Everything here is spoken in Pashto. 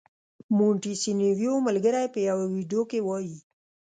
مونټیسینویو ملګری په یوه ویډیو کې وايي.